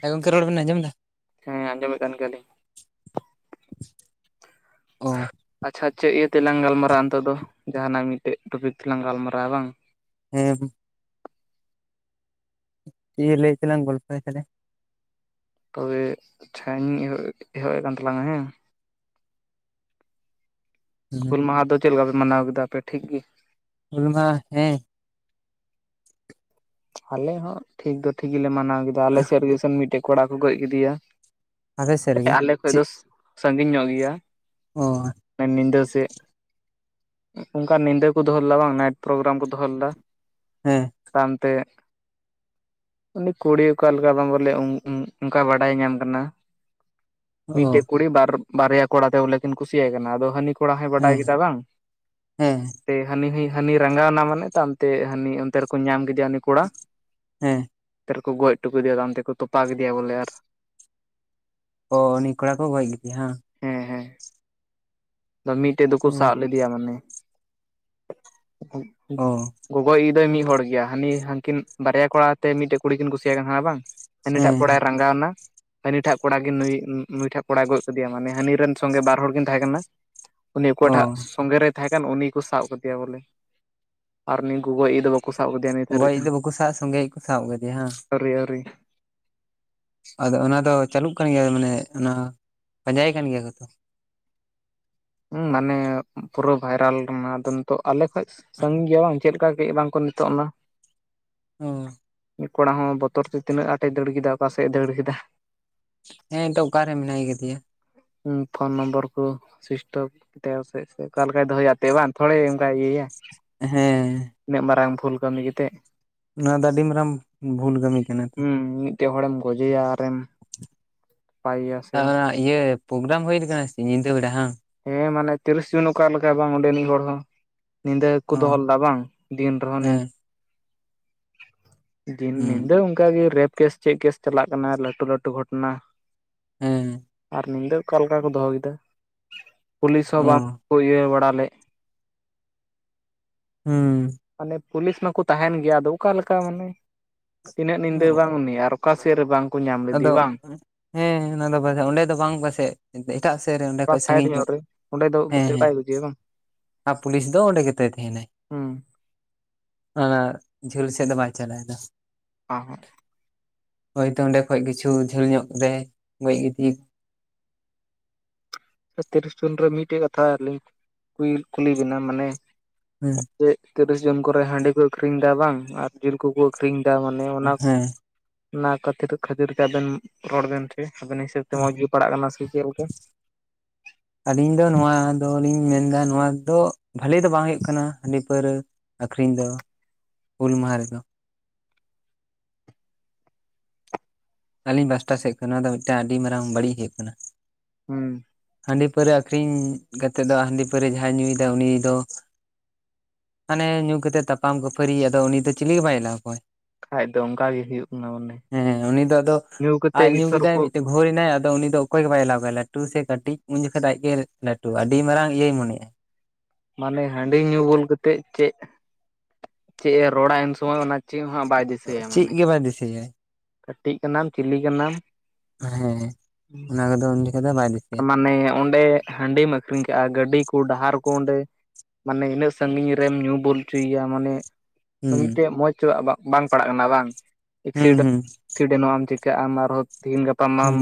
ᱦᱮᱸ ᱜᱚᱝᱠᱮ ᱨᱚᱲ ᱵᱤᱱ ᱟᱸᱡᱚᱢ ᱮᱫᱟ? ᱦᱮᱸ ᱟᱸᱡᱚᱢᱮᱫ ᱠᱟᱱ ᱜᱮᱭᱟᱞᱤᱧ [inaudible] ᱚ ᱾ ᱟᱪᱷᱟ ᱪᱮᱫ ᱤᱭᱟᱹ ᱛᱮᱞᱟᱝ ᱜᱟᱞᱢᱟᱨᱟᱜ-ᱟ ᱱᱤᱛᱚᱜ ᱫᱚ ᱡᱟᱦᱟᱱᱟᱜ ᱢᱤᱫᱴᱮᱡ ᱴᱚᱯᱤᱠ ᱛᱮᱞᱟᱝ ᱜᱟᱞᱢᱟᱨᱟᱜ-ᱟ ᱵᱟᱝ? ᱦᱮᱸ ᱾ ᱤᱭᱟᱹ ᱞᱟᱹᱭ ᱛᱮᱞᱟᱝ ᱜᱚᱞᱯᱷᱚᱭᱟ ᱛᱟᱞᱦᱮ ᱾ ᱛᱚᱵᱮ ᱪᱷᱟ ᱤᱧ ᱤᱧ ᱮᱦᱚᱵ ᱮᱦᱚᱵᱮᱜ ᱠᱟᱱ ᱛᱟᱞᱟᱝᱟ ᱦᱮᱸ ᱾ [unintelligible] ᱦᱩᱞ ᱢᱟᱦᱟ ᱫᱚ ᱪᱮᱫ ᱞᱮᱠᱟ ᱯᱮ ᱢᱟᱱᱟᱣ ᱠᱮᱫᱟᱯᱮ ᱴᱷᱤᱠ ᱜᱮ? ᱦᱩᱞ ᱢᱟᱦᱟᱸ ᱦᱮᱸᱻ ᱟᱞᱮ ᱦᱚᱸ ᱴᱷᱤᱠ ᱫᱚ ᱴᱷᱤᱠ ᱜᱮᱞᱮ ᱢᱟᱱᱟᱣ ᱠᱮᱫᱟ ᱟᱞᱮ ᱥᱮᱫ ᱨᱮᱜᱮ ᱱᱮᱥ ᱢᱤᱫᱴᱮᱡ ᱠᱚᱲᱟ ᱠᱚ ᱜᱚᱡ ᱠᱮᱫᱮᱭᱟ ᱟᱯᱮ ᱥᱮᱫ ᱨᱮᱜᱮ ᱟᱞᱮ ᱠᱷᱚᱡ ᱫᱚ ᱥᱟᱺᱜᱤᱧ ᱧᱚᱜ ᱜᱮᱭᱟ ᱦᱚᱭ ᱢᱮᱱ ᱧᱤᱫᱟᱹ ᱥᱮᱫ ᱚᱱᱠᱟᱱ ᱧᱤᱫᱟᱹ ᱠᱚ ᱫᱚᱦᱚ ᱞᱮᱫᱟ ᱵᱟᱝ ᱱᱟᱭᱤᱴ ᱯᱨᱚᱜᱨᱟᱢ ᱠᱚ ᱫᱚᱦᱚ ᱞᱮᱫᱟ ᱦᱮᱸᱻ ᱛᱮᱜ ᱩᱱᱤ ᱠᱩᱲᱤ ᱚᱠᱟ ᱞᱮᱠᱟ ᱵᱟᱝ ᱵᱚᱞᱮ ᱚᱼᱚᱼ ᱚᱱᱠᱟ ᱵᱟᱰᱟᱭ ᱧᱟᱢ ᱟᱠᱟᱱᱟ ᱚ ᱢᱤᱫᱴᱮᱡ ᱠᱩᱲᱤ ᱵᱟᱨ ᱵᱟᱨᱭᱟ ᱠᱚᱲᱟᱛᱮ ᱵᱚᱞᱮ ᱠᱤᱱ ᱠᱩᱥᱤᱭᱟᱭ ᱠᱟᱱᱟ ᱟᱫᱚ ᱦᱟᱹᱱᱤ ᱠᱚᱲᱟ ᱦᱚᱭ ᱵᱟᱰᱟᱭ ᱦᱮᱸ ᱠᱮᱫᱟ ᱵᱟᱝ ᱦᱮᱸ ᱛᱮ ᱦᱟᱹᱱᱤ ᱦᱚᱭ ᱦᱟᱹᱱᱤ ᱨᱟᱸᱜᱟᱣᱮᱱᱟ ᱢᱟᱱᱮ ᱛᱟᱭᱚᱢᱛᱮ ᱦᱟᱹᱱᱤ ᱚᱱᱛᱮ ᱨᱮᱠᱚ ᱧᱟᱢ ᱠᱮᱫᱮᱭᱟ ᱩᱱᱤ ᱠᱚᱲᱟ ᱦᱮᱸ ᱚᱱᱛᱮ ᱨᱮᱠᱚ ᱜᱚᱡ ᱦᱚᱴᱚ ᱠᱟᱫᱮᱭᱟ ᱛᱟᱭᱚᱢ ᱚᱱᱛᱮ ᱨᱮᱠᱚ ᱛᱚᱯᱟ ᱠᱮᱫᱮᱭᱟ ᱵᱚᱞᱮ ᱟᱨ ᱳ ᱩᱱᱤ ᱠᱚᱲᱟ ᱠᱚ ᱜᱚᱡ ᱠᱮᱫᱮᱭᱟ ᱦᱟᱸᱜ ᱦᱮᱸ ᱦᱮᱸ ᱢᱤᱫᱴᱮᱡ ᱫᱚᱠᱚ ᱥᱟᱵ ᱞᱮᱫᱮᱭᱟ ᱢᱟᱱᱮ ᱜᱚᱼᱜᱚᱼ ᱚ ᱜᱚᱜᱚᱤᱡ ᱫᱚᱭ ᱢᱤᱫ ᱦᱚᱲ ᱜᱮᱭᱟ ᱦᱟᱹᱱᱤ ᱦᱟᱹᱱᱠᱤᱱ ᱵᱟᱨᱭᱟ ᱠᱚᱲᱟ ᱛᱮ ᱢᱤᱫᱴᱮᱱ ᱠᱩᱲᱤ ᱠᱤᱱ ᱠᱩᱥᱤᱭᱟᱭ ᱠᱟᱱ ᱛᱟᱦᱮᱸ ᱠᱟᱱᱟ ᱵᱟᱝ ᱦᱟᱹᱱᱤ ᱴᱟᱜ ᱦᱮᱸ ᱠᱚᱲᱟᱭ ᱨᱟᱸᱜᱟᱣ ᱮᱱᱟ ᱦᱟᱹᱱᱤ ᱴᱷᱟᱜ ᱠᱚᱲᱟ ᱜᱮ ᱱᱩᱭ ᱱᱩᱭ ᱴᱷᱟᱜ ᱠᱚᱲᱟᱭ ᱜᱚᱡ ᱠᱮᱫᱮᱭᱟ ᱢᱟᱱᱮ ᱦᱟᱹᱱᱤ ᱨᱮᱱ ᱥᱚᱸᱜᱮ ᱵᱟᱨ ᱦᱚᱲ ᱠᱤᱱ ᱛᱟᱦᱮᱸ ᱠᱟᱱᱟ ᱩᱱᱤ ᱚᱠᱚᱭᱴᱟᱜ ᱚ ᱥᱚᱸᱜᱮ ᱨᱮᱭ ᱛᱟᱦᱮᱸ ᱠᱟᱱ ᱩᱱᱤ ᱠᱚ ᱥᱟᱵ ᱠᱟᱫᱮᱭᱟ ᱵᱚᱞᱮ ᱟᱨ ᱩᱱᱤ ᱜᱚᱜᱚᱡᱤᱡ ᱫᱚ ᱵᱟᱹᱠᱩ ᱥᱟᱵ ᱠᱮᱫᱮᱭᱟ ᱱᱤᱛ ᱦᱟᱹᱨᱤᱡ ᱜᱚᱡ ᱫᱚ ᱛᱮᱦᱚᱸ ᱵᱟᱠᱚ ᱥᱟᱵ ᱥᱚᱸᱜᱮᱭᱮᱫ ᱠᱚ ᱥᱟᱵ ᱠᱟᱫᱮᱭᱟ ᱦᱟᱸ ᱟᱹᱣᱨᱤ ᱟᱹᱣᱨᱤ ᱟᱫᱚ ᱚᱱᱟ ᱫᱚ ᱪᱟᱹᱞᱩᱜ ᱠᱟᱱ ᱜᱮᱭᱟ ᱢᱟᱱᱮ ᱚᱱᱟ ᱯᱟᱸᱡᱟᱭᱮ ᱠᱟᱱ ᱜᱮᱭᱟ ᱠᱚ ᱦᱮᱸ ᱢᱟᱱᱮ ᱯᱩᱨᱟᱹ ᱵᱷᱟᱭᱨᱟᱞ ᱮᱱᱟ ᱟᱫᱚ ᱱᱤᱛᱚᱜ ᱟᱞᱮ ᱠᱷᱚᱡ ᱥᱟᱺᱜᱤᱧ ᱜᱮᱭᱟ ᱵᱟᱝ ᱪᱮᱫ ᱞᱮᱠᱟ ᱵᱟᱝ ᱠᱚ ᱱᱤᱛᱚᱜ ᱚᱱᱟ ᱦᱚᱻ ᱩᱱᱤ ᱠᱚᱲᱟ ᱦᱚᱸ ᱵᱚᱛᱚᱨ ᱛᱮ ᱛᱤᱱᱟᱹᱜ ᱟᱴ ᱮ ᱫᱟᱹᱲ ᱠᱮᱫᱟ ᱚᱠᱟᱥᱮᱫ ᱮ ᱫᱟᱹᱲ ᱠᱮᱫᱟ ᱦᱮᱸ ᱱᱤᱛᱚᱜ ᱚᱠᱟᱨᱮ ᱢᱮᱱᱟᱭ ᱠᱟᱫᱮᱭᱟ ᱚᱻ ᱯᱷᱳᱱ ᱱᱚᱢᱵᱚᱨ ᱠᱚ ᱥᱩᱤᱥᱴᱚᱯ ᱛᱮᱣ ᱥᱮᱫ ᱥᱮ ᱚᱠᱟ ᱞᱮᱠᱟᱭ ᱫᱚᱦᱚᱭᱟ ᱵᱟᱝ ᱛᱷᱚᱲᱮ ᱚᱱᱠᱟ ᱤᱭᱟᱹᱭᱟ ᱦᱮᱸᱻ ᱩᱱᱟᱹᱜ ᱢᱟᱨᱟᱝ ᱵᱷᱩᱞ ᱠᱟᱹᱢᱤ ᱠᱟᱛᱮᱫ ᱚᱱᱟ ᱫᱚ ᱟᱹᱰᱤ ᱢᱟᱨᱟᱝ ᱵᱷᱩᱞ ᱠᱟᱹᱢᱤ ᱠᱟᱱᱟ ᱛᱚ ᱢᱤᱫᱴᱮᱱ ᱦᱚᱲᱮᱢ ᱜᱚᱡᱮᱭᱟ ᱟᱨᱮᱢ ᱯᱟᱭᱮᱭᱟ ᱥᱮ ᱟᱨ ᱚᱱᱟ ᱤᱭᱟᱹ ᱯᱨᱚᱜᱨᱟᱢ ᱦᱩᱭ ᱟᱠᱟᱱᱟ ᱥᱮ ᱧᱤᱫᱟᱹ ᱵᱮᱲᱟ ᱦᱟᱸᱜ ᱦᱮᱸ ᱢᱟᱱᱮ ᱛᱤᱨᱤᱥ ᱡᱩᱱ ᱚᱠᱟ ᱞᱮᱠᱟ ᱵᱟᱝ ᱚᱸᱰᱮᱱᱤᱡ ᱦᱚᱲ ᱦᱚᱸ ᱧᱤᱫᱟᱹ ᱜᱮᱠᱚ ᱚ ᱫᱚᱦᱚ ᱞᱮᱫᱟ ᱵᱟᱝ ᱫᱤᱱ ᱨᱮᱦᱚᱸ ᱦᱮᱸ ᱫᱤᱱ ᱦᱩᱸ ᱧᱤᱫᱟᱹ ᱚᱱᱠᱟᱜᱮ ᱨᱮᱯ ᱠᱮᱥ ᱪᱮᱫ ᱠᱮᱥ ᱪᱟᱞᱟᱜ ᱠᱟᱱᱟ ᱞᱟᱹᱴᱩ ᱞᱟᱹᱴᱩ ᱜᱷᱚᱴᱚᱱᱟ ᱦᱮᱸ ᱻ ᱟᱨ ᱧᱤᱫᱟᱹ ᱚᱠᱟ ᱞᱮᱠᱟ ᱠᱚ ᱫᱚᱦᱚ ᱮᱫᱟ ᱯᱩᱞᱤᱥ ᱦᱚᱸ ᱚ ᱵᱟᱝ ᱠᱚ ᱤᱭᱟᱹ ᱵᱟᱲᱟ ᱞᱮᱫ ᱦᱩᱸᱻ ᱢᱟᱱᱮ ᱯᱩᱞᱤᱥ ᱢᱟᱠᱚ ᱛᱟᱦᱮᱱ ᱜᱮᱭᱟ ᱟᱫᱚ ᱚᱠᱟᱞᱮᱠᱟ ᱢᱟᱱᱮ ᱛᱤᱱᱟᱹᱜ ᱧᱤᱫᱟᱹ ᱵᱟᱝ ᱩᱱᱤ ᱟᱨ ᱚᱠᱟ ᱥᱮᱫ ᱨᱮ ᱵᱟᱝ ᱧᱟᱢ ᱞᱮᱫᱮ ᱟᱫᱚ ᱦᱮᱸ ᱚᱱᱟᱫᱚ [unintelligible] ᱚᱸᱰᱮ ᱫᱚ ᱵᱟᱝ ᱯᱟᱥᱮᱡ ᱮᱴᱟᱜ ᱥᱮᱫ ᱨᱮ ᱚᱸᱰᱮ ᱚᱠᱟ ᱠᱷᱚᱡ ᱥᱟᱭᱤᱰ ᱥᱟᱺᱜᱤᱧ ᱧᱚᱜ ᱨᱮ ᱚᱸᱰᱮ ᱫᱚ ᱦᱮᱸ ᱮᱱᱛᱮᱫ ᱦᱮᱸ ᱵᱟᱭ ᱵᱩᱡᱷᱟᱹᱣᱟ ᱵᱟᱝ ᱟᱨ ᱯᱩᱞᱤᱥ ᱫᱚ ᱚᱸᱰᱮ ᱜᱮᱛᱟᱭ ᱛᱟᱦᱮᱱᱟᱭ ᱦᱩᱸ ᱚᱻ ᱡᱷᱟᱹᱞ ᱥᱮᱫ ᱫᱚ ᱵᱟᱭ ᱪᱟᱞᱟᱣᱮᱫᱟ ᱚ ᱦᱚᱸᱻ ᱦᱚᱭᱛᱳ ᱚᱸᱰᱮ ᱠᱷᱚᱡ ᱠᱤᱪᱷᱩ ᱡᱷᱟᱹᱞ ᱧᱚᱜ ᱨᱮ ᱜᱚᱡ ᱜᱤᱰᱤ ᱛᱤᱨᱤᱥ ᱡᱩᱱ ᱨᱮ ᱢᱤᱫᱴᱮᱡ ᱠᱟᱛᱷᱟ ᱞᱤᱧ ᱠᱩᱞᱤ ᱵᱮᱱᱟ ᱢᱟᱱᱮ ᱦᱮᱸ ᱡᱮ ᱛᱤᱨᱤᱥ ᱡᱚᱱ ᱠᱚᱨᱮ ᱦᱟᱺᱰᱤ ᱠᱚ ᱟᱹᱠᱷᱨᱤᱧ ᱮᱫᱟ ᱵᱟᱝ ᱟᱨ ᱡᱤᱞ ᱠᱚᱠᱚ ᱟᱹᱠᱷᱨᱤᱧ ᱮᱫᱟ ᱢᱟᱱᱮ ᱚᱱᱟ ᱚᱱᱟ ᱠᱷᱟᱹᱛᱤᱨ ᱠᱷᱟᱹᱛᱤᱨ ᱛᱮ ᱟᱵᱮᱱ ᱨᱚᱲ ᱵᱮᱱ ᱥᱮ ᱟᱵᱮᱱ ᱦᱤᱥᱟᱹᱵᱽ ᱛᱮ ᱢᱚᱡᱽ ᱜᱮ ᱯᱟᱲᱟᱜ ᱠᱟᱱᱟ ᱥᱮ ᱪᱮᱫ ᱞᱮᱠᱟ᱾ [unintelligible] ᱟᱹᱞᱤᱧ ᱫᱚ ᱱᱚᱣᱟ ᱫᱚᱞᱤᱧ ᱢᱮᱱᱫᱟ ᱱᱚᱣᱟ ᱫᱚ ᱵᱷᱟᱹᱞᱤ ᱫᱚ ᱵᱟᱝ ᱦᱩᱭᱩᱜ ᱠᱟᱱᱟ ᱦᱟᱺᱰᱤ ᱯᱟᱹᱣᱨᱟᱹ ᱟᱹᱠᱷᱨᱤᱧ ᱫᱚ ᱦᱩᱞ ᱢᱟᱦᱟ ᱨᱮᱫᱚ᱾ ᱟᱹᱞᱤᱧ ᱯᱟᱥᱴᱟ ᱥᱮᱫ ᱠᱷᱚᱱ ᱱᱚᱣᱟ ᱫᱚ ᱢᱤᱫᱴᱟᱝ ᱟᱹᱰᱤ ᱢᱟᱨᱟᱝ ᱵᱟᱹᱲᱤᱡᱽ ᱦᱩᱭᱩᱜ ᱠᱟᱱᱟ᱾ ᱦᱩᱸ ᱦᱟᱺᱰᱤ ᱯᱟᱹᱣᱨᱟᱹ ᱟᱹᱠᱷᱨᱤᱧ ᱠᱟᱛᱮᱜ ᱫᱚ ᱦᱟᱺᱰᱤ ᱯᱟᱹᱣᱨᱟᱹ ᱡᱟᱦᱟᱸᱭ ᱧᱩᱭᱮᱫᱟ ᱩᱱᱤ ᱫᱚ ᱢᱟᱱᱮ ᱧᱩ ᱠᱟᱛᱮᱫ ᱛᱟᱯᱟᱢ ᱠᱷᱟᱹᱯᱟᱹᱨᱤᱭ ᱟᱫᱚ ᱩᱱᱤ ᱫᱚ ᱪᱤᱞᱤ ᱜᱮ ᱵᱟᱭ ᱮᱞᱟᱣ ᱠᱚᱣᱟᱭ᱾ ᱵᱟᱠᱷᱟᱡ ᱫᱚ ᱚᱱᱠᱟ ᱜᱮ ᱦᱩᱭᱩᱜ ᱠᱟᱱᱟ ᱢᱟᱱᱮ, ᱦᱮᱸ ᱧᱩ ᱠᱟᱛᱮᱫ ᱜᱮᱛᱷᱚᱨ ᱠᱚ ᱵᱷᱳᱨ ᱮᱱᱟᱭ ᱟᱫᱚ ᱩᱱᱤ ᱫᱚ ᱚᱠᱚᱭ ᱜᱮ ᱵᱟᱭ ᱮᱞᱟᱣ ᱠᱚᱣᱟ ᱞᱟᱹᱴᱩ ᱥᱮ ᱠᱟᱹᱴᱤᱡᱽ ᱩᱱ ᱡᱚᱠᱷᱮᱡ ᱫᱚ ᱟᱡᱜᱮ ᱞᱟᱹᱴᱩᱼᱟ ᱟᱹᱰᱤ ᱢᱟᱨᱟᱝ ᱤᱭᱟᱹᱭ ᱢᱚᱱᱮᱜᱼᱟ᱾ ᱢᱟᱱᱮ ᱦᱟᱺᱰᱤ ᱧᱩ ᱵᱚᱞ ᱠᱟᱛᱮᱜ ᱪᱮᱫ ᱪᱮᱫ ᱮ ᱨᱚᱲᱟ ᱩᱱ ᱥᱚᱢᱚᱭ ᱚᱱᱟ ᱪᱮᱫ ᱦᱚᱸ ᱦᱚᱸᱜ ᱵᱟᱭ ᱫᱤᱥᱟᱹᱭᱟ ᱪᱮᱫ ᱢᱟᱱᱮ ᱜᱮ ᱵᱟᱭ ᱫᱤᱥᱟᱹᱭᱟᱭ ᱠᱟᱹᱴᱤᱡᱽ ᱠᱟᱱᱟᱢ ᱪᱤᱞᱤ ᱠᱟᱱᱟᱢ ᱦᱮᱸ ᱚᱱᱟ ᱠᱚᱫᱚ ᱩᱱ ᱡᱚᱠᱷᱚᱱ ᱫᱚ ᱵᱟᱭ ᱫᱤᱥᱟᱹᱭᱟ ᱢᱟᱱᱮ ᱚᱸᱰᱮ ᱦᱟᱺᱰᱤᱢ ᱟᱹᱠᱷᱨᱤᱧ ᱠᱟᱜᱼᱟ ᱜᱟᱹᱰᱤ ᱠᱚ ᱰᱟᱦᱟᱨ ᱠᱚ ᱚᱸᱰᱮ ᱢᱟᱱᱮ ᱤᱱᱟᱹᱜ ᱥᱟᱺᱜᱤᱧ ᱨᱮᱢ ᱧᱩ ᱵᱩᱞ ᱚᱪᱚᱭᱮᱭᱟ ᱢᱟᱱᱮ ᱦᱩᱸ ᱢᱤᱫᱴᱮᱡ ᱢᱚᱸᱡᱽ ᱪᱚ ᱵᱟᱝ ᱯᱟᱲᱟᱜ ᱠᱟᱱᱟ ᱵᱟᱝ ᱦᱩᱸ ᱮᱠᱥᱤᱰᱮᱱᱴ ᱦᱩᱸ ᱮᱠᱥᱤᱰᱮᱱᱚᱜ ᱟᱢ ᱪᱤᱠᱟᱹᱜ ᱟᱢ ᱟᱨᱦᱚᱸ ᱛᱤᱦᱤᱧ ᱜᱟᱯᱟ ᱢᱟᱢ ᱦᱩᱸ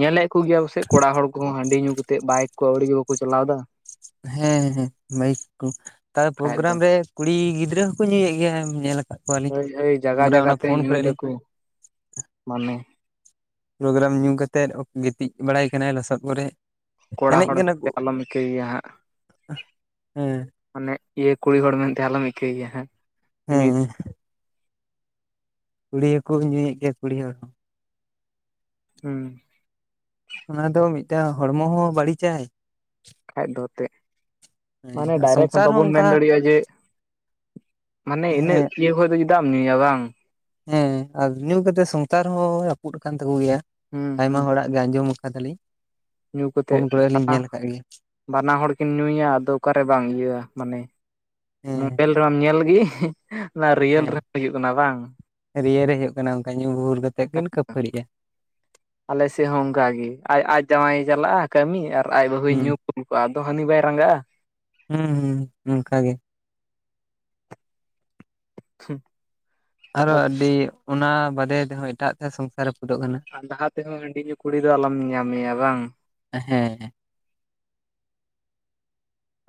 ᱧᱮᱞᱮᱫ ᱠᱚᱜᱮᱭᱟ ᱯᱟᱥᱮᱡ ᱠᱚᱲᱟ ᱦᱚᱲ ᱠᱚᱦᱚᱸ ᱦᱟᱺᱰᱤ ᱧᱩ ᱠᱟᱛᱮᱫ ᱵᱟᱭᱤᱠ ᱠᱚ ᱟᱹᱣᱬᱤ ᱜᱮ ᱵᱟᱠᱚ ᱪᱟᱞᱟᱣᱮᱫᱟ᱾ ᱦᱮᱸ ᱦᱮᱸ ᱵᱟᱭᱤᱠ ᱠᱚ ᱟᱨ ᱵᱟᱠᱷᱟᱡ ᱫᱚ ᱯᱨᱳᱜᱨᱟᱢ ᱨᱮ ᱠᱩᱲᱤ ᱜᱤᱫᱽᱨᱟᱹ ᱦᱚᱸᱠᱚ ᱧᱩᱭᱮᱫ ᱜᱮᱭᱟ ᱧᱮᱞ ᱟᱠᱟᱫ ᱠᱚᱣᱟᱞᱤᱧ ᱦᱳᱭ ᱦᱳᱭ ᱡᱟᱜᱟ ᱯᱨᱳᱜᱨᱟᱢ ᱡᱟᱜᱟ ᱚᱱᱟ ᱛᱮ ᱯᱷᱳᱱ ᱧᱩᱭ ᱠᱚᱨᱮ ᱞᱤᱧ ᱫᱟᱠᱚ ᱢᱟᱱᱮ ᱯᱨᱳᱜᱨᱟᱢ ᱧᱩ ᱠᱟᱛᱮᱫ ᱜᱤᱛᱤᱡᱽ ᱵᱟᱲᱟᱭ ᱠᱟᱱᱟᱭ ᱞᱚᱥᱚᱫ ᱠᱚᱨᱮ ᱠᱚᱲᱟ ᱮᱱᱮᱡ ᱦᱚᱲ ᱠᱟᱱᱟ ᱠᱚ ᱟᱞᱚᱢ ᱤᱠᱟᱹᱭᱮᱭᱟ ᱦᱟᱸᱜ ᱦᱮᱸ ᱢᱟᱱᱮ ᱤᱭᱟᱹ ᱠᱩᱲᱤ ᱦᱚᱲ ᱢᱮᱱᱛᱮ ᱟᱞᱚᱢ ᱤᱠᱟᱹᱭ ᱜᱮᱭᱟ ᱦᱮᱸ ᱢᱤᱫ ᱦᱮᱸ ᱠᱩᱲᱤ ᱦᱚᱠᱚ ᱧᱩᱭᱮᱫ ᱜᱮᱭᱟ ᱠᱩᱲᱤ ᱦᱚᱲ ᱦᱚᱸ ᱦᱩᱸ ᱚᱱᱟ ᱫᱚ ᱢᱤᱫᱴᱟᱝ ᱦᱚᱲᱢᱚ ᱦᱚᱸ ᱵᱟᱹᱲᱤᱡᱟᱭ ᱠᱷᱟᱱ ᱫᱚ ᱮᱱᱛᱮᱫ ᱢᱟᱱᱮ ᱦᱮᱸ ᱰᱟᱭᱨᱮᱠᱴ ᱦᱚᱸ ᱥᱚᱝᱥᱟᱨ ᱵᱟᱵᱚᱱ ᱢᱮᱱ ᱚᱱᱠᱟ ᱫᱟᱲᱮᱭᱟᱜᱼᱟ ᱡᱮ ᱢᱟᱱᱮ ᱤᱱᱟᱹᱜ ᱦᱮᱸ ᱤᱭᱟᱹ ᱠᱷᱚᱡᱽ ᱫᱚ ᱪᱩᱮᱫᱟᱜ ᱮᱢ ᱧᱩᱭᱟ ᱵᱟᱝ ᱦᱮᱸ ᱟᱨ ᱧᱩ ᱠᱟᱛᱮᱜ ᱥᱚᱝᱥᱟᱨ ᱦᱚᱸ ᱨᱟᱹᱯᱩᱫ ᱟᱠᱟᱱ ᱛᱟᱠᱚ ᱜᱮᱭᱟ ᱦᱩᱸ ᱦᱩᱸ ᱟᱭᱢᱟ ᱦᱚᱲᱟᱜ ᱜᱮ ᱟᱸᱡᱚᱢ ᱟᱠᱟᱫᱟᱞᱤᱧ ᱧᱩ ᱯᱷᱳᱱ ᱠᱟᱛᱮᱜ ᱠᱚᱨᱮ ᱦᱚᱸ ᱞᱤᱧ ᱵᱟᱱᱟ ᱧᱮᱞ ᱟᱠᱟᱫ ᱜᱮᱭᱟ᱾ ᱵᱟᱱᱟ ᱦᱚᱲ ᱠᱤᱱ ᱧᱩᱭᱟ ᱟᱫᱚ ᱚᱠᱟᱨᱮ ᱵᱟᱝ ᱤᱭᱟᱹᱼᱟ ᱢᱟᱱᱮ ᱦᱮᱸ ᱢᱚᱰᱮᱞ ᱨᱮᱢᱟᱢ ᱧᱮᱞ ᱜᱮ ᱚᱱᱟ ᱨᱤᱭᱮᱞ ᱨᱮᱦᱚᱸ ᱦᱩᱭᱩᱜ ᱠᱟᱱᱟ ᱵᱟᱝ ᱨᱤᱭᱮᱞ ᱨᱮ ᱦᱩᱭᱩᱜ ᱠᱟᱱᱟ ᱚᱱᱠᱟ ᱧᱩ ᱜᱩᱨ ᱠᱟᱛᱮᱫ ᱠᱤᱱ ᱠᱟᱹᱯᱷᱟᱹᱨᱤᱜᱼᱟ᱾ ᱟᱞᱮ ᱥᱮᱫ ᱦᱚᱸ ᱚᱱᱠᱟᱜ ᱜᱮ ᱟᱡᱽ ᱟᱡᱽ ᱡᱟᱶᱟᱭᱮ ᱪᱟᱞᱟᱜᱼᱟ ᱠᱟᱹᱢᱤ ᱟᱨ ᱟᱡᱽ ᱵᱟᱹᱦᱩᱭ ᱦᱩᱸ ᱧᱩ ᱟᱫᱚ ᱦᱟᱹᱱᱤ ᱵᱟᱭ ᱨᱟᱸᱜᱟᱜᱼᱟ᱾ ᱦᱩᱸ ᱦᱩᱸ ᱚᱱᱠᱟ ᱜᱮ ᱴᱷᱤᱠ ᱟᱨᱚ ᱟᱹᱰᱤ ᱚᱱᱟ ᱵᱟᱨᱭᱟ ᱛᱮᱦᱚᱸ ᱮᱴᱟᱜ ᱛᱮ ᱥᱚᱝᱥᱟᱨ ᱨᱟᱹᱯᱩᱫᱚᱜ ᱠᱟᱱᱟ᱾ ᱟᱨ ᱞᱟᱦᱟ ᱛᱮᱦᱚᱸ ᱦᱟᱺᱰᱤ ᱧᱩᱚᱜ ᱠᱩᱲᱤ ᱫᱚ ᱟᱞᱚᱢ ᱧᱮᱧᱟᱢᱮᱭᱟ ᱵᱟᱝ ᱦᱮᱸ ᱦᱮᱸ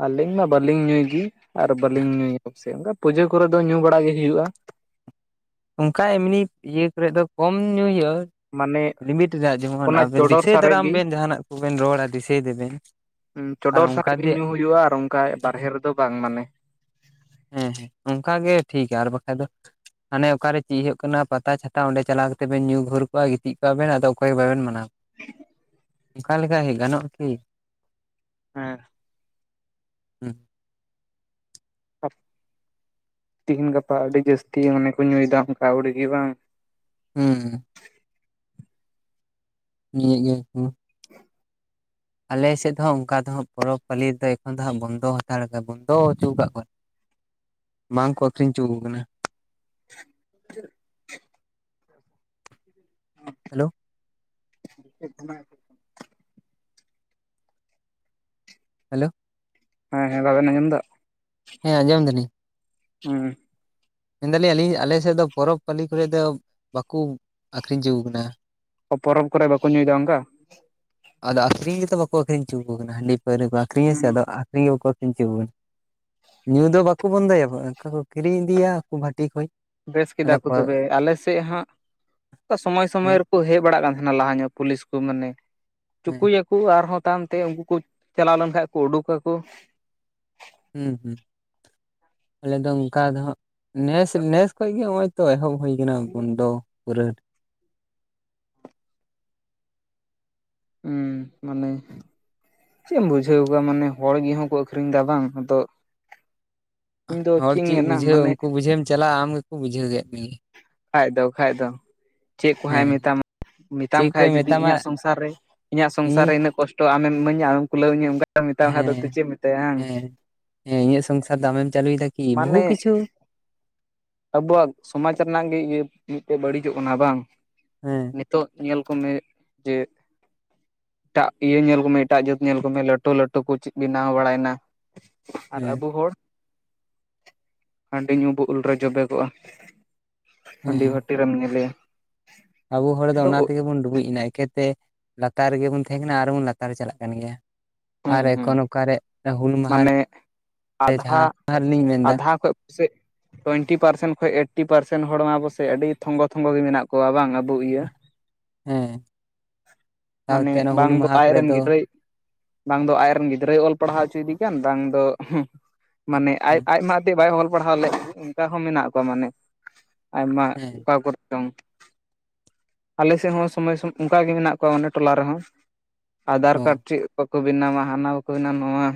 ᱟᱹᱞᱤᱧ ᱢᱟ ᱵᱟᱹᱞᱤᱧ ᱧᱩᱭ ᱜᱮ ᱟᱨ ᱵᱟᱹᱞᱤᱧ ᱧᱩᱭ [unintelligible] ᱯᱩᱡᱟᱹ ᱠᱚᱨᱮ ᱫᱚ ᱧᱩ ᱵᱟᱲᱟ ᱜᱮ ᱦᱩᱭᱩᱜᱼᱟ᱾ ᱚᱝᱠᱟ ᱮᱢᱱᱤ ᱤᱭᱟᱹ ᱠᱚᱨᱮ ᱫᱚ ᱠᱚᱢ ᱧᱩ ᱦᱩᱭᱩᱜᱼᱟ᱾ ᱢᱟᱱᱮ ᱞᱤᱢᱤᱴ ᱨᱮᱱᱟᱜ ᱡᱮᱢᱚᱱ ᱚᱱᱟ ᱟᱵᱮᱱ ᱪᱚᱰᱚᱨ ᱫᱤᱥᱟᱹᱭ ᱥᱟᱨᱮᱡ ᱫᱟᱨᱟᱢ ᱜᱮ ᱵᱮᱱ ᱡᱟᱦᱟᱸ ᱱᱟᱜ ᱠᱚᱵᱮᱱ ᱨᱚᱲᱟ ᱫᱤᱥᱟᱹᱭ ᱫᱟᱵᱮᱱ᱾ ᱟᱨ ᱪᱚᱰᱚᱨ ᱚᱱᱠᱟ ᱥᱟᱨᱮᱜ ᱜᱮ ᱫᱤᱭᱮ ᱧᱩ ᱦᱩᱭᱩᱜᱼᱟ ᱟᱨ ᱚᱱᱠᱟ ᱵᱟᱨᱦᱮ ᱨᱮᱫᱚ ᱵᱟᱝ ᱢᱟᱱᱮ ᱦᱮᱸ ᱦᱮᱸ ᱚᱱᱠᱟ ᱜᱮ ᱴᱷᱤᱠᱼᱟ ᱟᱨ ᱵᱟᱠᱷᱟ ᱫᱚ ᱦᱟᱱᱮ ᱚᱠᱟᱨᱮ ᱪᱮᱜ ᱦᱩᱭᱩᱜ ᱠᱟᱱᱟ ᱯᱟᱛᱟ ᱪᱷᱟᱛᱟ ᱚᱸᱰᱮ ᱪᱟᱞᱟᱣ ᱠᱟᱛᱮ ᱵᱮᱱ ᱧᱩ ᱜᱷᱩᱨ ᱠᱚᱜᱼᱟ ᱜᱤᱛᱤᱡ ᱠᱚᱣᱟ ᱵᱮᱱ ᱟᱫᱚ ᱚᱠᱚᱭ ᱜᱮ ᱵᱟᱵᱮᱱ ᱢᱟᱱᱟᱣ ᱠᱚᱣᱟ᱾ ᱚᱱᱠᱟ ᱞᱮᱠᱟ [unintelligible] ᱜᱟᱱᱚᱜ ᱟ ᱠᱤ ᱦᱮᱸ ᱦᱩᱸ ᱛᱤᱦᱤᱧ ᱜᱟᱯᱟ ᱟᱹᱰᱤ ᱡᱟᱹᱥᱛᱤ ᱢᱟᱱᱮ ᱠᱚ ᱧᱩᱭᱮᱫᱟ ᱚᱱᱠᱟ ᱟᱹᱣᱲᱤᱜᱮ ᱵᱟᱝ ᱦᱩᱸᱻ ᱱᱤᱭᱟᱹ ᱜᱮᱭᱟ ᱠᱩ ᱾ [inaudible] ᱟᱞᱮ ᱥᱮᱫ ᱫᱚ ᱦᱟᱸᱜ ᱚᱱᱠᱟ ᱫᱚ ᱦᱟᱸᱜ ᱯᱚᱨᱚᱵᱽ ᱯᱟᱹᱞᱤ ᱨᱮ ᱫᱚ ᱮᱠᱷᱚᱱ ᱫᱚ ᱦᱟᱸᱜ ᱵᱚᱱᱫᱚ ᱦᱟᱛᱟᱲ ᱵᱚᱱᱫᱚ ᱦᱚᱪᱚ ᱠᱟᱜ ᱠᱚᱣᱟ ᱵᱟᱝ ᱠᱚ ᱟᱹᱠᱷᱨᱤᱧ ᱦᱚᱪᱚᱣᱟ ᱠᱚ ᱠᱟᱱᱟ ᱾ [inaudible] [inaudible] ᱦᱮᱞᱳ ᱾ [inaudible] ᱦᱮᱞᱳ ᱾ ᱦᱮᱸ ᱦᱮᱸ ᱵᱟᱵᱮᱱ ᱟᱸᱡᱚᱢ ᱫᱟ? ᱦᱮᱸ ᱟᱸᱡᱚᱢ ᱫᱟᱹᱞᱤᱧ ᱾ ᱦᱩᱸ ᱾ ᱢᱮᱱ ᱫᱟᱹᱞᱤᱧ ᱟᱹᱞᱤᱧ ᱟᱞᱮ ᱥᱮᱫ ᱫᱚ ᱯᱚᱨᱚᱵᱽ ᱯᱟᱹᱞᱤ ᱠᱚᱨᱮᱫ ᱫᱚ ᱵᱟᱠᱚ ᱟᱹᱠᱷᱨᱤᱧ ᱪᱚ ᱠᱟᱱᱟ ᱾ ᱯᱚᱨᱚᱵᱽ ᱠᱚᱨᱮ ᱵᱟᱠᱚ ᱧᱩᱭ ᱫᱟ ᱚᱱᱠᱟ? ᱟᱫᱚ ᱟᱹᱠᱷᱨᱤᱧ ᱜᱮᱛᱚ ᱵᱟᱠᱚ ᱟᱹᱠᱷᱨᱤᱧ ᱪᱚᱣᱟᱠᱚ ᱠᱟᱱᱟ, ᱦᱟᱺᱰᱤ ᱯᱟᱹᱣᱨᱟᱹ ᱠᱚ ᱟᱹᱠᱷᱨᱤᱧᱟ ᱥᱮ ᱟ ᱟᱹᱠᱷᱨᱤᱧ ᱜᱮ ᱵᱟᱠᱚ ᱟᱹᱠᱷᱨᱤᱧ ᱦᱚᱪᱚᱣᱟᱠᱚ ᱠᱟᱱᱟ, ᱧᱩ ᱫᱚ ᱵᱟᱠᱚ ᱵᱚᱱᱫᱚᱭᱟ ᱮᱱᱠᱷᱟ ᱠᱚ ᱠᱤᱨᱤᱧ ᱤᱫᱤᱭᱟ ᱾ ᱵᱷᱟᱹᱴᱤ ᱠᱷᱚᱡ ᱾ ᱵᱮᱥ ᱠᱮᱫᱟ ᱠᱚ ᱛᱚᱵᱮ, ᱟᱞᱮ ᱥᱮᱜ ᱦᱟᱸᱜ ᱥᱚᱢᱚᱭ ᱥᱚᱢᱚᱭ ᱦᱮᱸ ᱦᱮᱡ ᱵᱟᱲᱟᱜ ᱠᱟᱱ ᱛᱟᱦᱮᱸᱱᱟ ᱞᱟᱦᱟ ᱧᱚᱜ ᱯᱩᱞᱤᱥ ᱠᱚ ᱢᱟᱱᱮ ᱦᱮᱸ ᱪᱩᱠᱚᱭᱟ ᱠᱩ ᱟᱨᱦᱚᱸ ᱛᱟᱭᱚᱢ ᱛᱮ ᱩᱱᱠᱩ ᱠᱚ ᱪᱟᱞᱟᱣ ᱞᱮᱱ ᱠᱷᱟᱡ ᱠᱚ ᱩᱰᱩᱠᱟ ᱠᱚ ᱾ ᱦᱩᱸ ᱦᱩᱸ ᱟᱞᱮ ᱫᱚ ᱚᱝᱠᱟ ᱫᱚ ᱦᱟᱸᱜ, ᱱᱮᱥ ᱱᱮᱥ ᱠᱷᱚᱡ ᱜᱮ ᱦᱚᱜᱼᱚᱭ ᱛᱚ ᱮᱦᱚᱵ ᱦᱩᱭ ᱠᱟᱱᱟ ᱵᱚᱱᱫᱚ ᱯᱩᱨᱟᱹ ᱾ ᱦᱩᱸ ᱢᱟᱱᱮ ᱪᱮᱜ ᱮᱢ ᱵᱩᱡᱷᱟᱹᱣ ᱠᱚᱣᱟ ᱢᱟᱱᱮ ᱦᱚᱲ ᱜᱮᱦᱚᱠᱚ ᱟᱹᱠᱷᱨᱤᱧ ᱫᱟ ᱵᱟᱝ ᱟᱫᱚ ᱤᱧ ᱫᱚ ᱦᱚᱲ ᱪᱮᱫ ᱤᱧ ᱪᱮᱜ ᱢᱮᱱᱟ ᱵᱩᱡᱷᱟᱹᱣ ᱢᱟᱱᱮ ᱩᱱᱠᱩ ᱵᱩᱡᱷᱟᱹᱣᱮᱢ ᱪᱟᱞᱟᱜᱼᱟ ᱟᱢ ᱜᱮᱠᱚ ᱵᱩᱡᱷᱟᱹᱣ ᱠᱮᱜ ᱢᱮᱜᱮ ᱾ ᱠᱷᱟᱡ ᱫᱚ ᱠᱷᱟᱡ ᱫᱚ ᱾ ᱪᱮᱫ ᱠᱚ ᱦᱟᱸᱜ ᱮ ᱦᱮᱸ ᱢᱮᱛᱟᱢᱟ ᱢᱮᱛᱟᱢ ᱪᱮᱫ ᱠᱷᱟᱡ ᱠᱚᱭ ᱡᱩᱫᱤ ᱢᱮᱛᱟᱢᱟ ᱤᱧᱟᱹᱜ ᱥᱚᱝᱥᱟᱨ ᱨᱮ ᱤᱧᱟᱹᱜ ᱤᱧ ᱥᱚᱝᱥᱟᱨ ᱨᱮ ᱤᱱᱟᱹᱜ ᱠᱚᱥᱼᱼ ᱛᱚ ᱟᱢᱮᱢ ᱤᱢᱟᱹᱧᱟ ᱟᱢ ᱠᱩᱞᱟᱹᱣᱟᱹᱧᱟ ᱚᱱᱠᱟᱣ ᱢᱮᱛᱟᱢ ᱠᱷᱟᱡ ᱫᱚ ᱛᱚ ᱦᱮᱸ ᱪᱮᱜ ᱮᱢ ᱢᱮᱛᱟᱭᱟ ᱦᱟᱝ ᱾ ᱦᱮᱸ ᱦᱮᱸ ᱤᱧᱟᱹᱜ ᱥᱚᱝᱥᱟᱨ ᱫᱚ ᱟᱢᱮᱢ ᱪᱟᱹᱞᱩᱭ ᱫᱟᱠᱤ ᱵᱩᱦᱩ ᱢᱟᱱᱮ ᱠᱤᱪᱷᱩ ᱟᱵᱚᱣᱟᱜ ᱥᱚᱢᱟᱡᱽ ᱨᱮᱱᱟᱜ ᱜᱮ ᱤᱭᱟᱹ ᱢᱤᱜ ᱴᱮᱡ ᱵᱟᱹᱲᱤᱡᱚᱜ ᱠᱟᱱᱟ ᱵᱟᱝ ᱾ ᱦᱮᱸ ᱾ ᱱᱤᱛᱚᱜ ᱧᱮᱞ ᱠᱚᱢᱮ ᱡᱮ ᱮᱴᱟᱜ ᱤᱭᱟᱹ ᱧᱮᱞ ᱠᱚᱢᱮ ᱮᱴᱟᱜ ᱡᱟᱹᱛ ᱧᱮᱞ ᱠᱚᱢᱮ ᱞᱟᱹᱴᱩ ᱞᱟᱹᱴᱩ ᱠᱚ ᱪᱮᱫ ᱵᱮᱱᱟᱣ ᱵᱟᱲᱟᱭ ᱱᱟ ᱾ ᱟᱨ ᱟᱵᱚ ᱦᱮᱸ ᱦᱚᱲ ᱦᱟᱺᱰᱤ ᱧᱩ ᱵᱚ ᱩᱞ ᱨᱮ ᱡᱚᱵᱮ ᱠᱚᱜᱼᱟ ᱾ ᱦᱟᱺᱰᱤ ᱦᱮᱸ ᱵᱷᱟᱹᱴᱤ ᱨᱮᱢ ᱧᱮᱞᱮᱭᱟ ᱾ ᱟᱵᱚ ᱦᱚᱲ ᱫᱚ ᱚᱱᱟ ᱛᱮᱜᱮ ᱵᱚᱱ ᱰᱩᱵᱩᱡ ᱮᱱᱟ ᱮᱠᱮᱛᱮ ᱞᱟᱛᱟᱨ ᱨᱮᱜᱮ ᱵᱚᱱ ᱛᱟᱦᱮᱸ ᱠᱟᱱᱟ ᱟᱨᱵᱚᱱ ᱞᱟᱛᱟᱨ ᱪᱟᱞᱟᱜ ᱠᱟᱱ ᱜᱮᱭᱟ ᱾ ᱦᱩᱸ ᱟᱨ ᱦᱩᱸ ᱮᱠᱷᱚᱱ ᱚᱠᱟᱨᱮ ᱦᱩᱞ ᱢᱟᱦᱟ ᱨᱮ ᱢᱟᱱᱮ ᱟᱫᱷᱟ, ᱡᱟᱦᱟᱸ ᱚᱱᱟ ᱨᱮᱞᱤᱧ ᱢᱮᱱᱫᱟ ᱟᱫᱷᱟ ᱠᱷᱚᱡ ᱯᱟᱥᱮᱡ ᱴᱩᱭᱮᱱᱴᱤ ᱯᱟᱨᱥᱮᱱ ᱠᱷᱚᱡ ᱮᱭᱤᱴᱴᱤ ᱯᱟᱨᱮᱱ ᱦᱚᱲ ᱢᱟ ᱟᱵᱚ ᱥᱮᱜ ᱟᱹᱰᱤ ᱛᱷᱚᱝᱜᱚ ᱛᱷᱚᱝᱜᱚ ᱜᱮ ᱢᱮᱱᱟᱜ ᱠᱚᱣᱟ ᱵᱟᱝ ᱟᱵᱚ ᱤᱭᱟᱹ ᱾ ᱦᱮᱸ ᱢᱟᱱᱮ ᱥᱟᱶᱛᱮ ᱚᱱᱟ ᱦᱩᱞ ᱵᱟᱝ ᱫᱚ ᱢᱟᱦᱟ ᱟᱡ ᱠᱚᱨᱮ ᱨᱮᱱ ᱜᱤᱫᱽᱨᱟᱹᱭ ᱵᱟᱝ ᱫᱚ ᱟᱡᱨᱮᱱ ᱜᱤᱫᱽᱨᱟᱹᱭ ᱚᱞ ᱯᱟᱲᱦᱟᱣ ᱦᱚᱪᱚᱭ ᱫᱮ ᱠᱟᱱ ᱵᱟᱝ ᱫᱚ ᱢᱟᱱᱮ ᱟᱡ ᱦᱮᱸ ᱟᱡ ᱢᱟ ᱵᱟᱭ ᱚᱞ ᱯᱟᱲᱦᱟᱣ ᱞᱮᱫ, ᱚᱱᱠᱟ ᱦᱚᱸ ᱢᱮᱱᱟᱜ ᱠᱚᱣᱟ ᱢᱟᱱᱮ ᱟᱭᱢᱟ ᱦᱮᱸ ᱚᱠᱟ ᱠᱚᱨᱮ‌ ᱪᱚᱝ ᱾ ᱟᱞᱮ ᱥᱮᱫ ᱦᱚᱸ ᱥᱚᱢᱚᱭ ᱥᱚᱢᱚᱭ ᱚᱱᱠᱟᱜ ᱜᱮ ᱢᱮᱱᱟᱜ ᱠᱚᱣᱟ ᱚᱱᱮ ᱴᱚᱞᱟ ᱨᱮᱦᱚᱸ᱾ ᱟᱫᱷᱟᱨ ᱠᱟᱨᱰ ᱚ ᱪᱮᱫ ᱵᱟᱠᱚ ᱵᱮᱱᱟᱣᱟ ᱦᱟᱱᱟ ᱵᱟᱠᱚ ᱵᱮᱱᱟᱣᱟ ᱱᱚᱣᱟ᱾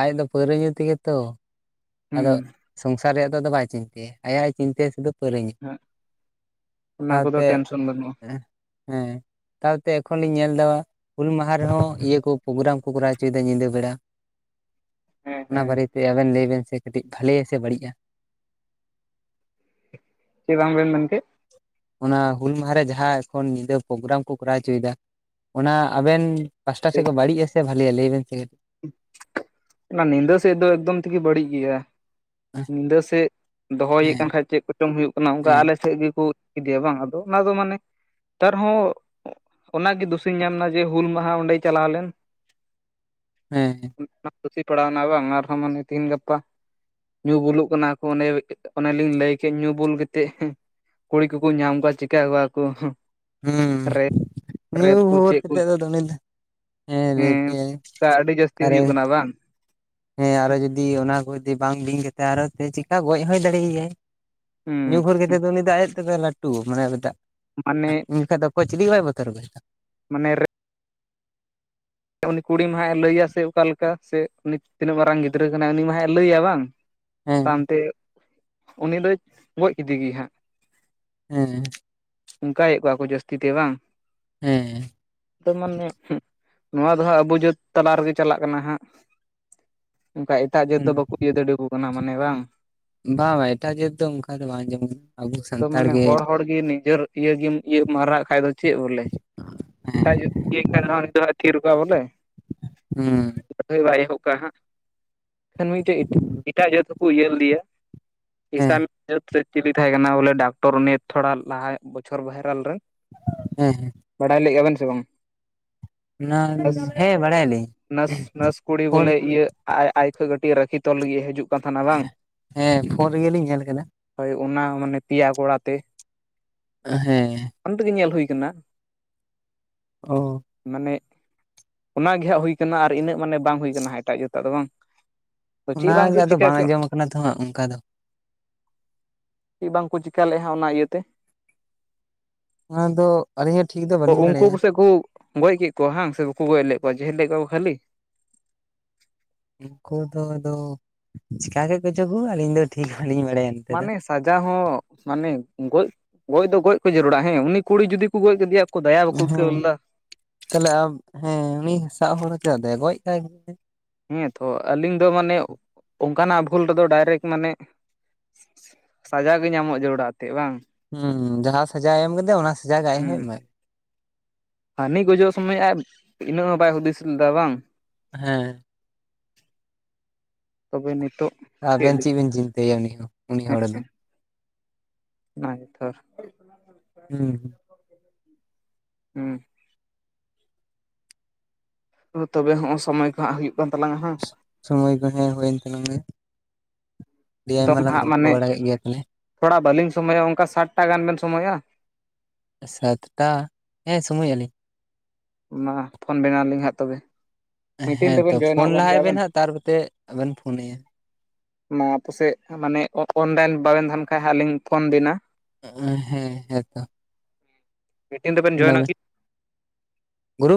ᱟᱡ ᱫᱚ ᱯᱟᱹᱣᱨᱟᱹ ᱧᱩ ᱛᱮᱜᱮ ᱛᱚ᱾ ᱟᱫᱚ ᱦᱩᱸ ᱥᱚᱝᱥᱟᱨ ᱨᱮᱭᱟᱜ ᱫᱚ ᱟ ᱵᱟᱭ ᱪᱤᱱᱛᱟᱹᱭᱟ ᱟᱭᱟᱜ ᱪᱤᱱᱛᱟᱹ ᱥᱩᱫᱩ ᱾ ᱯᱟᱹᱨᱣᱟᱹ ᱧᱩ ᱚᱱᱟ ᱠᱚᱫᱚ ᱥᱟᱶᱛᱮ, ᱴᱮᱱᱥᱚᱱ ᱵᱟᱹᱱᱩᱜᱼᱟ ᱦᱮᱸ ᱛᱟᱣ ᱛᱮ ᱮᱠᱷᱚᱱᱤᱧ ᱧᱮᱞ ᱮᱫᱟ- ᱦᱩᱞ ᱢᱟᱦᱟ ᱨᱮᱦᱚᱸ ᱤᱭᱟᱹ ᱠᱚ ᱯᱳᱜᱨᱟᱢ ᱠᱚ ᱠᱚᱨᱟᱣ ᱦᱚᱪᱚᱭᱮᱫᱟ ᱧᱤᱫᱟᱹ ᱵᱮᱲᱟ᱾ ᱦᱮᱸ ᱚᱱᱟ ᱦᱮᱸ ᱵᱟᱨᱮᱛᱮ ᱟᱵᱮᱱ ᱞᱟᱹᱭ ᱵᱮᱱ ᱥᱮ ᱠᱟᱹᱴᱤᱡ ᱵᱷᱟᱞᱮᱭᱟ ᱥᱮ ᱵᱟᱹᱲᱤᱡᱼᱟ᱾ ᱪᱮᱫ ᱵᱟᱝ ᱵᱤᱱ ᱢᱮᱱᱠᱮᱫ ᱚᱱᱟ ᱦᱩᱞ ᱢᱟᱦᱟᱨᱮ ᱡᱟᱦᱟᱸ ᱮᱠᱷᱚᱱ ᱧᱤᱫᱟᱹ ᱯᱳᱜᱨᱟᱢ ᱠᱚ ᱠᱚᱨᱟᱣ ᱦᱚᱪᱚᱭᱮᱫᱟ ᱚᱱᱟ ᱟᱵᱮᱱ ᱯᱟᱦᱴᱟ ᱥᱮᱫ ᱠᱷᱚᱱ ᱵᱟᱹᱲᱤᱡᱼᱟ ᱥᱮ ᱵᱷᱟᱹᱞᱤᱭᱟ ᱞᱟᱹᱭᱵᱤᱱ ᱥᱮ ᱚᱱᱟ ᱧᱤᱫᱟᱹ ᱥᱮᱫ ᱫᱚ ᱮᱠᱫᱚᱢ ᱛᱮᱜᱮ ᱵᱟᱹᱲᱤᱡ ᱜᱮᱭᱟ᱾ ᱧᱤᱫᱟᱹ ᱥᱮᱫ ᱫᱚᱦᱚᱭᱮᱫ ᱦᱮᱸ ᱠᱟᱱ ᱠᱷᱟᱡ ᱪᱮᱫ ᱠᱚᱪᱚᱝᱢ ᱦᱩᱭᱩᱜ ᱠᱟᱱᱟ ᱚᱱᱠᱟ ᱦᱮᱸ ᱟᱞᱮ ᱥᱮᱫ ᱜᱮᱠᱚ ᱤᱫᱤᱭᱟ ᱵᱟᱝ ᱟᱫᱚ ᱚᱱᱟ ᱫᱚ ᱢᱟᱱᱮ ᱟᱨᱦᱚᱸ ᱚᱱᱟᱜᱮ ᱫᱩᱥᱤᱧ ᱧᱟᱢ ᱮᱱᱟ ᱡᱮ ᱦᱩᱞ ᱢᱟᱦᱟ ᱚᱸᱰᱮᱭ ᱪᱟᱞᱟᱣ ᱞᱮᱱ? ᱦᱮᱸ ᱦᱮᱸ ᱠᱩᱥᱤ [unintelligible] ᱯᱟᱲᱟᱣᱱᱟ ᱵᱟᱝ ᱟᱨᱦᱚᱸ ᱢᱟᱱᱮ ᱛᱤᱦᱤᱧ ᱜᱟᱯᱟᱼᱼ ᱧᱩ ᱵᱩᱞᱩᱜ ᱠᱟᱱᱟ ᱠᱚ ᱚᱱᱮ ᱚᱱᱮᱞᱤᱧ ᱞᱟᱹᱭ ᱠᱮᱫ ᱧᱩ ᱵᱩᱞ ᱠᱟᱛᱮᱫᱼᱼ ᱠᱩᱲᱤ ᱠᱚᱠᱚ ᱧᱟᱢ ᱠᱚᱣᱟ ᱪᱤᱠᱟ ᱠᱚᱣᱟ ᱠᱚ᱾ ᱦᱮᱸ ᱨᱮᱯ ᱱᱩ ᱨᱮᱯ ᱠᱚ ᱜᱷᱳᱚᱨ ᱪᱮᱫ ᱠᱚ ᱠᱟᱛᱮᱫ ᱫᱚ ᱩᱱᱤ ᱫᱚ ᱦᱮᱸ ᱞᱟᱹᱭ ᱯᱮᱭᱟᱧ᱾ [unintelligible] ᱟᱹᱰᱤ ᱡᱟᱹᱥᱛᱤ ᱦᱩᱭᱩᱜ ᱠᱟᱱᱟ ᱵᱟᱝ ᱦᱮᱸ ᱟᱨᱚ ᱡᱩᱫᱤ ᱚᱱᱟ ᱠᱚ ᱡᱩᱫᱤ ᱵᱟᱝ ᱵᱤᱧ ᱠᱟᱛᱮ ᱟᱨ ᱪᱤᱠᱟ ᱜᱚᱡ ᱦᱚᱭ ᱫᱟᱲᱮ ᱟᱭᱟᱭ ᱧᱩ ᱦᱩᱸ ᱜᱷᱳᱨ ᱠᱟᱛᱮ ᱫᱚ ᱩᱱᱤ ᱫᱚ ᱟᱭᱟᱜ ᱛᱮᱫᱚ ᱞᱟᱹᱴᱩ ᱢᱟᱱᱮᱟᱜ ᱢᱟᱱᱮ ᱚᱱᱠᱷᱟ ᱫᱚ᱾ [unintelligible] ᱠᱚ ᱪᱤᱞᱤ ᱜᱮ ᱵᱟᱭ ᱵᱚᱛᱚᱨ ᱨᱟᱠᱚᱭᱟ᱾ ᱢᱟᱱᱮ᱾ [unintelligible] ᱩᱱᱤ ᱠᱩᱲᱤ ᱢᱟ ᱦᱟᱸᱜ ᱮ ᱞᱟᱹᱭᱟ ᱥᱮ ᱚᱠᱟᱞᱮᱠᱟ ᱥᱮ ᱩᱱᱤ ᱛᱤᱱᱟᱹᱜ ᱢᱟᱨᱟᱝ ᱜᱤᱫᱽᱨᱟᱹ ᱠᱟᱱᱟᱭ ᱩᱱᱤ ᱢᱟᱦᱟᱸᱜ ᱮ ᱞᱟᱹᱭᱟ ᱵᱟᱝ ᱦᱮᱸ ᱛᱟᱭᱚᱢᱛᱮ ᱩᱱᱤ ᱫᱚ ᱜᱚᱡ ᱠᱮᱫᱮ ᱜᱮ ᱦᱟᱸᱜ ᱦᱮᱸ ᱚᱱᱠᱟᱭᱮᱫ ᱠᱚᱣᱟ ᱠᱚ ᱡᱟᱹᱥᱛᱤ ᱛᱮ ᱵᱟᱝ ᱦᱮᱸ ᱛᱟᱨ ᱢᱟᱱᱮ, [unintelligible] ᱱᱚᱣᱟ ᱫᱚ ᱦᱟᱸᱜ ᱟᱵᱚ ᱡᱟᱹᱛ ᱛᱟᱞᱟ ᱨᱮᱜᱮ ᱪᱟᱲᱟᱜ ᱠᱟᱱᱟ ᱦᱟᱸᱜ ᱚᱱᱠᱟᱼᱼ ᱮᱴᱟᱜ ᱡᱟᱹᱛ ᱫᱚ ᱦᱩᱸ ᱵᱟᱠᱚ ᱤᱭᱟᱹ ᱫᱟᱲᱮᱭᱟ ᱠᱚ ᱠᱟᱱᱟ ᱢᱟᱱᱮ ᱵᱟᱝ ᱵᱟᱝ ᱵᱟᱝ ᱮᱴᱟᱜ ᱡᱟᱹᱛ ᱫᱚ ᱚᱱᱠᱟ ᱫᱚ ᱵᱟᱝ ᱡᱮᱢᱚᱱ ᱟᱵᱚ ᱛᱚ ᱥᱟᱱᱛᱟᱲ ᱢᱟᱱᱮ ᱜᱮ᱾ ᱦᱚᱲ ᱦᱚᱲ ᱱᱤᱡᱮᱨ ᱤᱭᱟᱹ ᱜᱮᱢ ᱤᱭᱟᱹᱢ ᱢᱟᱨᱟᱜ ᱠᱷᱟᱡ ᱫᱚ ᱪᱮᱫ ᱵᱚᱞᱮ ᱦᱮᱸ ᱮᱴᱟᱜ ᱡᱩ ᱤᱭᱟᱹ ᱠᱷ, [unintelligible] ᱛᱷᱤᱨ ᱠᱚ ᱟᱭ ᱵᱚᱞᱮ᱾ ᱦᱩᱸ ᱞᱟᱹᱭ ᱵᱟᱭ ᱮᱦᱚᱵ ᱠᱟᱜᱼᱟ ᱦᱟᱸᱜ ᱢᱤᱫᱴᱮᱡ ᱮᱴᱟᱜ ᱡᱟᱹᱛ ᱦᱚᱸᱠᱚ ᱤᱭᱟᱹ ᱞᱮᱫᱮᱭᱟ ᱦᱮᱸ ᱦᱤᱥᱟᱢᱟᱹ [unintelligible] ᱪᱮᱫᱤ ᱛᱟᱦᱮᱸ ᱠᱟᱱᱟ ᱵᱚᱞᱮ ᱰᱟᱠᱛᱚᱨ ᱩᱱᱤ ᱛᱷᱚᱲᱟ ᱞᱟᱦᱟ ᱵᱚᱪᱷᱚᱨ ᱵᱷᱟᱭᱨᱟᱞ ᱨᱮ, ᱦᱮᱸ ᱵᱟᱲᱟᱭ ᱞᱮᱫᱼᱟ ᱵᱮᱱ ᱥᱮ ᱵᱟᱝ? ᱚᱱᱟ ᱱᱟ ᱦᱮᱸ ᱵᱟᱲᱟᱭᱟᱞᱤᱧ ᱱᱟᱥ ᱱᱟᱥ ᱠᱩᱲᱤ ᱯᱷᱳᱱ ᱵᱚᱞᱮ ᱤᱭᱟᱹ ᱟᱡ ᱠᱚᱱ ᱠᱟᱹᱴᱤᱡ ᱨᱟᱠᱷᱤ ᱛᱚᱞ ᱞᱟᱹᱜᱤᱫ ᱦᱤᱡᱩᱜ ᱠᱟᱱ ᱛᱟᱦᱮᱱᱟ ᱵᱟᱝ ᱦᱮᱸ ᱯᱷᱳᱱ ᱨᱮᱜᱮ ᱞᱤᱧ ᱧᱮᱞ ᱠᱮᱫᱟ᱾ [unintelligible] ᱦᱳᱭ ᱚᱱᱟ ᱦᱚᱸᱢᱟᱱᱮ ᱯᱮᱭᱟ ᱜᱚᱲᱟ ᱛᱮ ᱦᱮᱸ ᱯᱳᱱᱛᱮᱜᱮ ᱧᱮᱞ ᱦᱩᱭᱩ ᱟᱠᱟᱱᱟ ᱚ ᱢᱟᱱᱮ ᱚᱱᱟᱜᱮ ᱦᱟᱸᱜ ᱦᱩᱭ ᱠᱟᱱᱟ ᱟᱨ ᱤᱱᱟᱹᱜ ᱢᱟᱱᱮ ᱵᱟᱝ ᱦᱩᱭ ᱠᱟᱱᱟ ᱮᱴᱟᱜ ᱡᱟᱹᱛᱟᱜ ᱫᱚ ᱵᱟᱝ ᱛᱚ ᱪᱮᱫ ᱚᱱᱟᱜᱮ ᱵᱟᱝᱠᱚ ᱟᱫᱚ ᱪᱤᱠᱟ ᱵᱟᱝ ᱟᱸᱡᱚᱢ ᱟᱠᱟᱱᱟ ᱛᱚ ᱚᱱᱠᱟ ᱫᱚ ᱪᱮᱫ ᱵᱟᱝᱠᱚ ᱪᱤᱠᱠᱟ ᱞᱮᱫᱼᱟ ᱚᱱᱟ ᱤᱭᱟᱹᱛᱮ ᱚᱱᱟ ᱫᱚ ᱟᱹᱞᱤᱧᱟᱜ ᱴᱷᱤᱠ ᱫᱚ ᱵᱟᱹᱞᱤᱧ ᱵᱟᱲᱟᱭᱟ ᱞᱮᱩ [unintelligible] ᱜᱚᱡ ᱠᱮᱫ ᱠᱚᱣᱟ ᱵᱟᱝ ᱥᱮ ᱵᱟᱠᱚ ᱜᱚᱡ ᱞᱮᱫ ᱠᱚᱣᱟ ᱡᱮᱦᱮᱞ ᱞᱮᱫ ᱠᱚᱣᱟ ᱠᱚ ᱠᱷᱟᱹᱞᱤ ᱩᱱᱠᱩ ᱫᱚ ᱟᱫᱚ ᱪᱤᱠᱟ ᱜᱮ ᱜᱚᱡᱚ ᱠᱚ ᱟᱹᱞᱤᱧ ᱫᱚ ᱴᱷᱤᱠ ᱦᱚᱸᱞᱤᱧ ᱵᱟᱲᱟᱭᱟ ᱱᱚᱛᱮ ᱫᱚ᱾ ᱢᱟᱱᱮᱥ ᱥᱟᱡᱟ ᱦᱚ ᱢᱟᱱᱮ ᱜᱚᱡ ᱜᱚᱡ ᱫᱚ ᱜᱚᱡ ᱠᱚ ᱡᱟᱹᱨᱩᱲᱟ ᱦᱮᱸ ᱩᱱᱤ ᱠᱩᱲᱤ ᱡᱩᱫᱤ ᱠᱚ ᱜᱚᱡ ᱠᱮᱫᱮᱭᱟ‌ ᱦᱮᱸ ᱛᱟᱦᱚᱞᱮ ᱟᱢ ᱦᱮᱸ ᱩᱱᱤ ᱦᱚᱲ ᱥᱟᱜ ᱦᱚᱨᱮ ᱪᱮ ᱜᱚᱡ ᱠᱟᱭ ᱜᱮ ᱦᱮᱸ ᱛᱚ ᱟᱹᱞᱤᱧ ᱫᱚ ᱢᱟᱱᱮ ᱚᱱᱠᱟᱱᱟᱜ ᱵᱷᱩᱞ ᱨᱮᱫᱚ ᱰᱟᱭᱨᱮᱠᱴ ᱢᱟᱱᱮ ᱥᱟᱡᱟ ᱜᱮ ᱧᱟᱢᱚᱜᱼᱟ ᱡᱟᱹᱨᱲᱟᱜ ᱮᱱᱛᱜ ᱵᱟᱝ? ᱦᱩᱸ ᱡᱟᱦᱟᱸ ᱥᱟᱡᱟᱣ ᱮᱢ ᱠᱮᱫᱮᱭᱟ ᱚᱱᱟ ᱥᱟᱡᱟ ᱜᱮ ᱟᱡ ᱦᱚ ᱦᱩᱸ ᱮᱢᱟᱭ, ᱦᱟᱹᱱᱤ ᱜᱚᱡᱚᱜ ᱥᱚᱢᱚᱭ ᱟᱡ ᱤᱱᱟᱹᱜ ᱦᱚᱸ ᱵᱟᱭ ᱦᱩᱫᱤᱥ ᱞᱮᱫᱟ ᱵᱟᱝ? ᱦᱮᱸ ᱛᱚᱵᱮ ᱱᱤᱛᱳᱜ᱾ ᱟᱵᱮᱱ ᱪᱮᱫ ᱵᱮᱱ ᱪᱤᱱᱛᱟᱹᱭᱟ ᱩᱱᱤ ᱦᱚᱸ ᱩᱱᱤ ᱦᱚᱲ ᱫᱚ᱾ ᱦᱮᱸ ᱚᱱᱟ ᱜᱤᱛᱚ, ᱦᱩᱸ ᱦᱩᱸ ᱛᱚᱵᱮ ᱦᱚᱸᱜᱼᱚᱭ ᱥᱚᱢᱚᱭ ᱠᱚ ᱦᱩᱭᱩᱜ ᱠᱟᱱ ᱛᱟᱞᱟᱝᱼᱟ᱾ ᱥᱚᱢᱚᱭ ᱠᱚ ᱦᱮᱸ ᱦᱩᱭᱮᱱ ᱛᱟᱞᱟᱝᱼᱟ ᱱᱤᱛᱚᱜ ᱦᱟᱜ ᱢᱟᱱᱮ ᱛᱷᱚᱲᱟ ᱵᱟᱹᱞᱤᱧ ᱥᱚᱢᱳᱭᱚᱼᱟ ᱚᱱᱠᱟ ᱥᱟᱛᱴᱟ ᱜᱟᱱ ᱵᱮᱱ ᱥᱚᱢᱳᱭᱚᱼᱟ ᱾ ᱥᱟᱛᱴᱟ ᱦᱮᱸ ᱥᱚᱢᱳᱭᱚᱼᱟ ᱞᱤᱧ ᱾ ᱢᱟ ᱯᱷᱳᱱ ᱟᱵᱮᱱᱟᱞᱤᱧ ᱦᱟᱸᱜ ᱛᱚᱵᱮ ᱾ ᱦᱮᱸ ᱛᱚ ᱯᱷᱳᱱ ᱞᱟᱦᱟᱭ ᱵᱮᱱ ᱦᱟᱸᱜ ᱛᱟᱨᱯᱚᱨᱛᱮ ᱟᱵᱮᱱ ᱯᱷᱳᱱ ᱟᱭᱟ ᱾ ᱢᱟ ᱯᱟᱥᱮᱡ ᱢᱟᱱᱮ ᱚᱱᱞᱟᱭᱤᱱ ᱵᱟᱵᱮᱱ ᱛᱟᱦᱮᱱ ᱠᱷᱟᱡ ᱟᱹ ᱞᱤᱧ ᱯᱷᱳᱱ ᱟᱵᱤᱱᱟ ᱮᱸ ᱮᱸᱼ ᱦᱮᱸ ᱦᱮᱸ ᱛᱚ, ᱢᱤᱴᱤᱝ ᱫᱚᱵᱮᱱ ᱡᱚᱭᱮᱱᱟᱠᱤ ᱾ ᱜᱨᱩᱯ